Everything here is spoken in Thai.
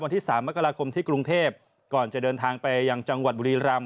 ที่สามมกราคมที่กรุงเทพก่อนจะเดินทางไปยังจังหวัดบุรีรำ